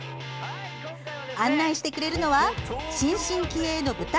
案内してくれるのは新進気鋭の舞台